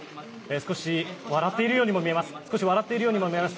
少し笑っているようにも見えます。